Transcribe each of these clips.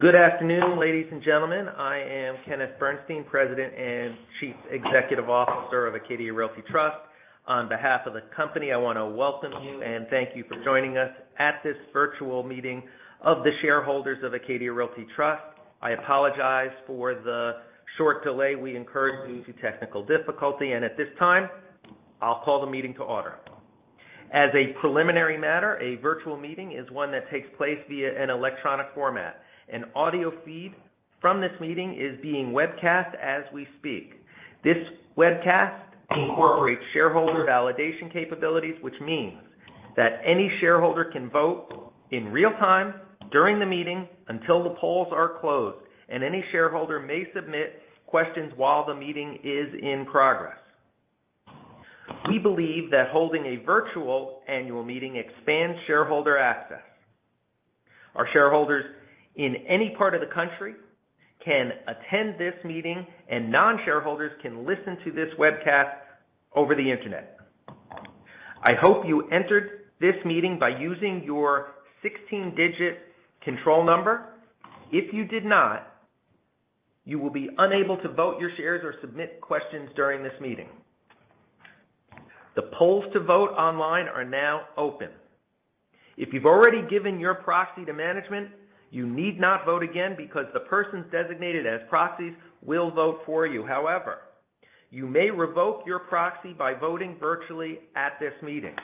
Good afternoon, ladies and gentlemen. I am Kenneth Bernstein, President and Chief Executive Officer of Acadia Realty Trust. On behalf of the company, I want to welcome you and thank you for joining us at this virtual meeting of the shareholders of Acadia Realty Trust. I apologize for the short delay. We incurred due to technical difficulty, and at this time, I'll call the meeting to order. As a preliminary matter, a virtual meeting is one that takes place via an electronic format. An audio feed from this meeting is being webcast as we speak. This webcast incorporates shareholder validation capabilities, which means that any shareholder can vote in real time during the meeting until the polls are closed, and any shareholder may submit questions while the meeting is in progress. We believe that holding a virtual annual meeting expands shareholder access. Our shareholders in any part of the country can attend this meeting, and non-shareholders can listen to this webcast over the internet. I hope you entered this meeting by using your 16-digit control number. If you did not, you will be unable to vote your shares or submit questions during this meeting. The polls to vote online are now open. If you've already given your proxy to management, you need not vote again because the persons designated as proxies will vote for you. However, you may revoke your proxy by voting virtually at this meeting.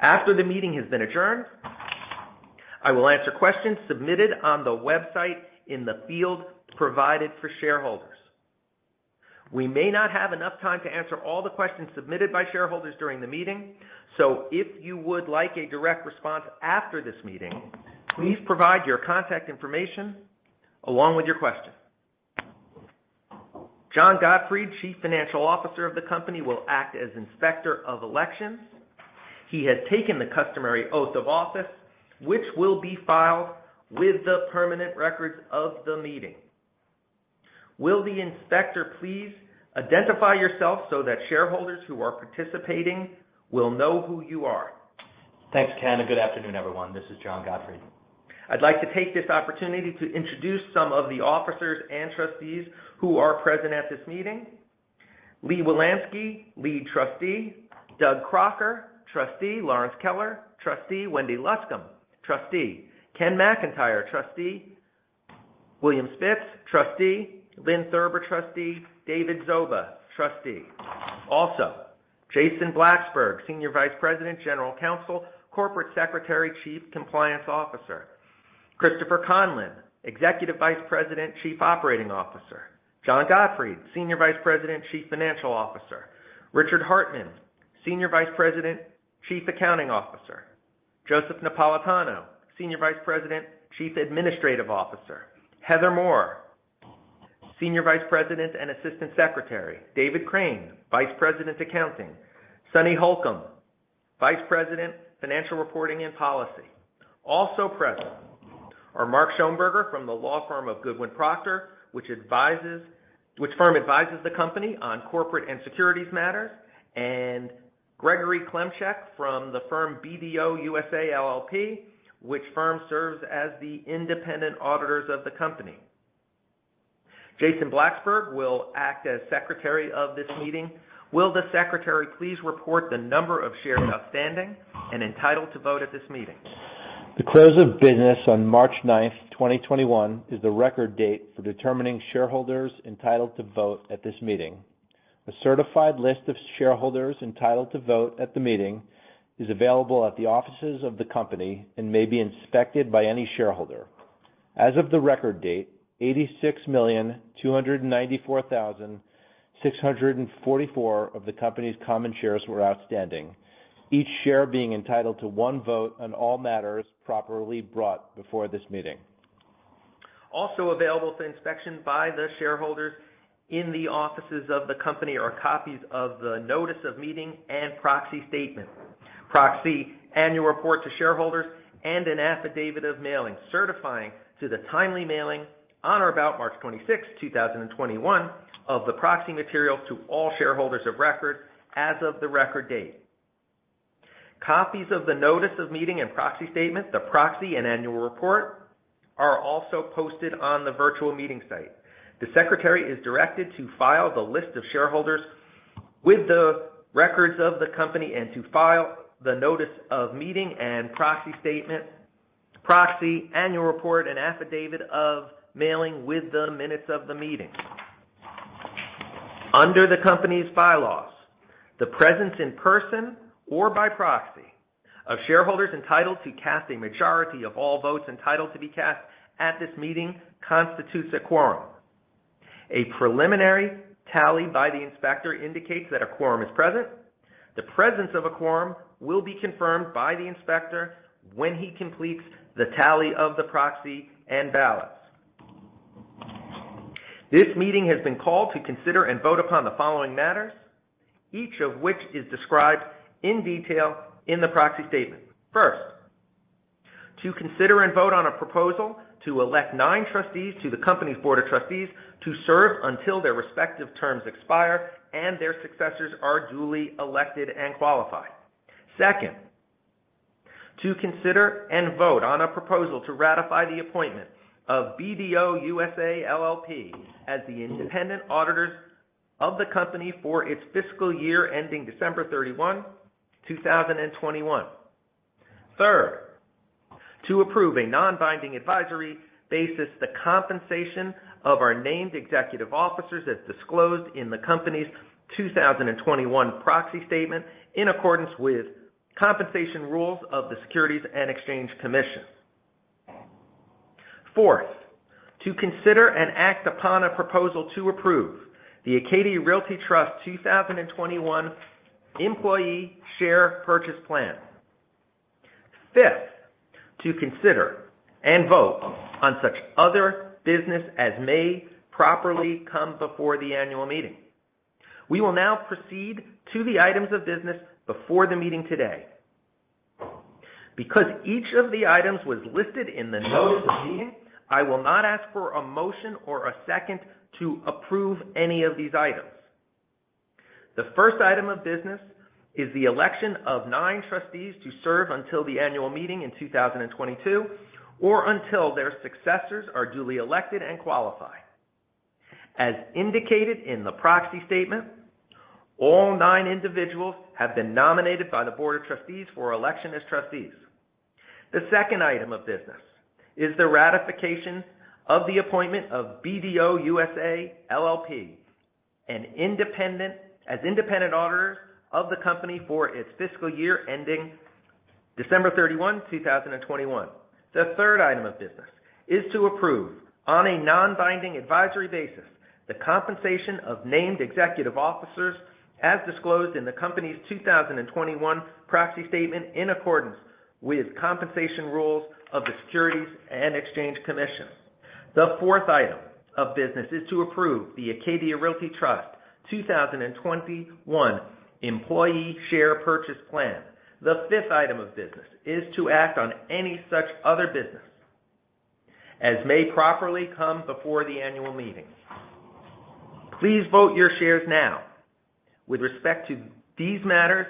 After the meeting has been adjourned, I will answer questions submitted on the website in the field provided for shareholders. We may not have enough time to answer all the questions submitted by shareholders during the meeting. If you would like a direct response after this meeting, please provide your contact information along with your question. John Gottfried, Chief Financial Officer of the company, will act as Inspector of Elections. He has taken the customary oath of office, which will be filed with the permanent records of the meeting. Will the Inspector please identify yourself so that shareholders who are participating will know who you are? Thanks, Ken, and good afternoon, everyone. This is John Gottfried. I'd like to take this opportunity to introduce some of the Officers and Trustees who are present at this meeting. Lee S. Wielansky, Lead Trustee. Douglas Crocker II, Trustee. Lorrence T. Kellar, Trustee. Wendy Luscombe, Trustee. Kenneth A. McIntyre, Trustee. William T. Spitz, Trustee. Lynne B. Sagalyn, Trustee. C. David Zoba, Trustee. Also, Jason Blacksberg, Senior Vice President, General Counsel, Corporate Secretary, Chief Compliance Officer. Christopher Conlon, Executive Vice President, Chief Operating Officer. John Gottfried, Senior Vice President, Chief Financial Officer. Richard M. Hartmann, Senior Vice President, Chief Accounting Officer. Joseph M. Napolitano, Senior Vice President, Chief Administrative Officer. Heather Moore, Senior Vice President and Assistant Secretary. David Crane, Vice President, Accounting. Sunny Holcomb, Vice President, Financial Reporting and Policy. Also present are Jack Schoenberger from the law firm of Goodwin Procter, which firm advises the company on corporate and securities matters, and Gregory Klimcheck from the firm BDO USA, LLP, which firm serves as the independent auditors of the company. Jason Blacksberg will act as Secretary of this meeting. Will the Secretary please report the number of shares outstanding and entitled to vote at this meeting? The close of business on March ninth, 2021, is the record date for determining shareholders entitled to vote at this meeting. A certified list of shareholders entitled to vote at the meeting is available at the offices of the company and may be inspected by any shareholder. As of the record date, 86,294,644 of the company's common shares were outstanding, each share being entitled to one vote on all matters properly brought before this meeting. Also available for inspection by the shareholders in the offices of the company are copies of the notice of meeting and proxy statement, proxy annual report to shareholders, and an affidavit of mailing, certifying to the timely mailing on or about March 26, 2021, of the proxy materials to all shareholders of record as of the record date. Copies of the notice of meeting and proxy statement, the proxy, and annual report are also posted on the virtual meeting site. The Secretary is directed to file the list of shareholders with the records of the company and to file the notice of meeting and proxy statement, proxy annual report, and affidavit of mailing with the minutes of the meeting. Under the company's bylaws, the presence in person or by proxy of shareholders entitled to cast a majority of all votes entitled to be cast at this meeting constitutes a quorum. A preliminary tally by the inspector indicates that a quorum is present. The presence of a quorum will be confirmed by the inspector when he completes the tally of the proxy and ballots. This meeting has been called to consider and vote upon the following matters, each of which is described in detail in the proxy statement. First, to consider and vote on a proposal to elect nine trustees to the company's Board of Trustees to serve until their respective terms expire and their successors are duly elected and qualified. Second, to consider and vote on a proposal to ratify the appointment of BDO USA, LLP as the independent auditors of the company for its fiscal year ending December 31, 2021. Third, to approve a non-binding advisory basis the compensation of our named executive officers as disclosed in the company's 2021 proxy statement in accordance with compensation rules of the Securities and Exchange Commission. Fourth, to consider and act upon a proposal to approve the Acadia Realty Trust 2021 Employee Share Purchase Plan. Fifth, to consider and vote on such other business as may properly come before the annual meeting. We will now proceed to the items of business before the meeting today. Because each of the items was listed in the notice of meeting, I will not ask for a motion or a second to approve any of these items. The first item of business is the election of nine trustees to serve until the annual meeting in 2022 or until their successors are duly elected and qualify. As indicated in the proxy statement, all nine individuals have been nominated by the board of trustees for election as trustees. The second item of business is the ratification of the appointment of BDO USA, LLP as independent auditors of the company for its fiscal year ending December 31, 2021. The third item of business is to approve on a non-binding advisory basis the compensation of named executive officers as disclosed in the company's 2021 proxy statement in accordance with compensation rules of the Securities and Exchange Commission. The fourth item of business is to approve the Acadia Realty Trust 2021 Employee Share Purchase Plan. The fifth item of business is to act on any such other business as may properly come before the annual meeting. Please vote your shares now with respect to these matters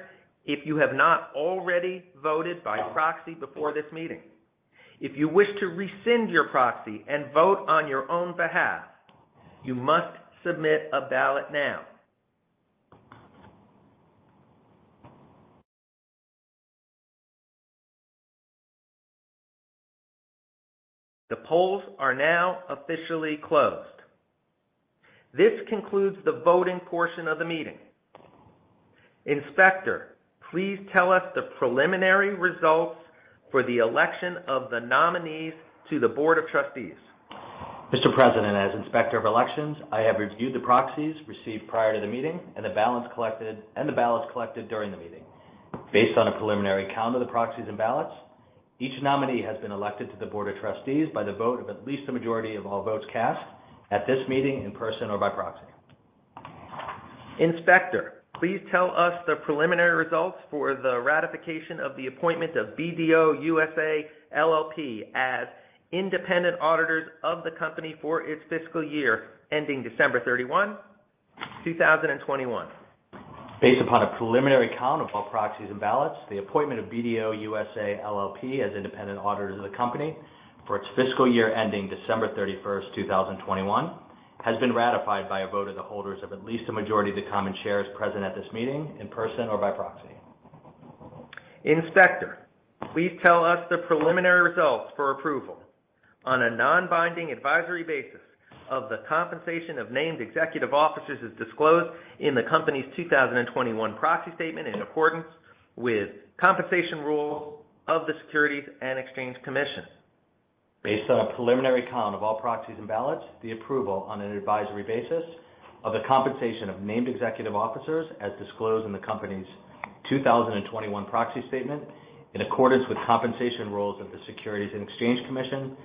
if you have not already voted by proxy before this meeting. If you wish to rescind your proxy and vote on your own behalf, you must submit a ballot now. The polls are now officially closed. This concludes the voting portion of the meeting. Inspector, please tell us the preliminary results for the election of the nominees to the board of trustees. Mr. President, as Inspector of Elections, I have reviewed the proxies received prior to the meeting and the ballots collected during the meeting. Based on a preliminary count of the proxies and ballots, each nominee has been elected to the board of trustees by the vote of at least a majority of all votes cast at this meeting in person or by proxy. Inspector, please tell us the preliminary results for the ratification of the appointment of BDO USA, LLP as independent auditors of the company for its fiscal year ending December 31, 2021. Based upon a preliminary count of all proxies and ballots, the appointment of BDO USA, LLP as independent auditors of the company for its fiscal year ending December 31, 2021, has been ratified by a vote of the holders of at least a majority of the common shares present at this meeting in person or by proxy. Inspector, please tell us the preliminary results for approval on a non-binding advisory basis of the compensation of named executive officers as disclosed in the company's 2021 proxy statement in accordance with compensation rules of the Securities and Exchange Commission. Based on a preliminary count of all proxies and ballots, the approval on an advisory basis of the compensation of named executive officers as disclosed in the company's 2021 proxy statement in accordance with compensation rules of the Securities and Exchange Commission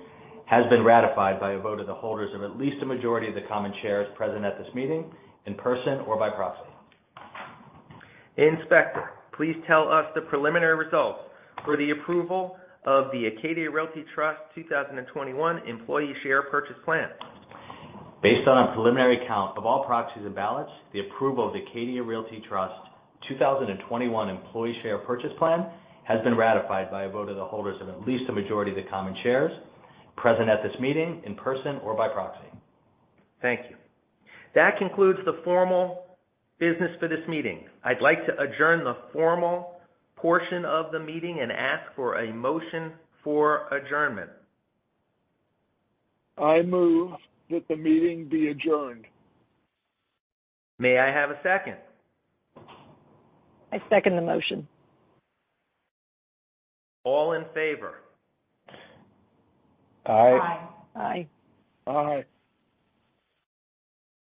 has been ratified by a vote of the holders of at least a majority of the common shares present at this meeting in person or by proxy. Inspector, please tell us the preliminary results for the approval of the Acadia Realty Trust 2021 Employee Share Purchase Plan. Based on a preliminary count of all proxies and ballots, the approval of the Acadia Realty Trust 2021 Employee Share Purchase Plan has been ratified by a vote of the holders of at least a majority of the common shares present at this meeting in person or by proxy. Thank you. That concludes the formal business for this meeting. I'd like to adjourn the formal portion of the meeting and ask for a motion for adjournment. I move that the meeting be adjourned. May I have a second? I second the motion. All in favor? Aye. Aye.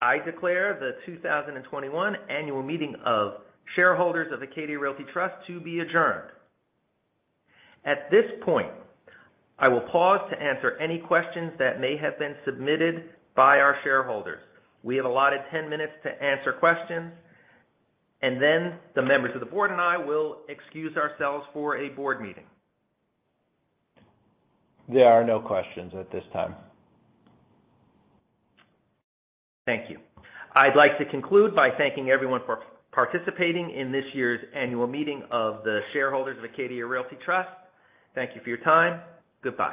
I declare the 2021 annual meeting of shareholders of Acadia Realty Trust to be adjourned. At this point, I will pause to answer any questions that may have been submitted by our shareholders. We have allotted 10 minutes to answer questions, and then the members of the board and I will excuse ourselves for a board meeting. There are no questions at this time. Thank you. I'd like to conclude by thanking everyone for participating in this year's annual meeting of the shareholders of Acadia Realty Trust. Thank you for your time. Goodbye.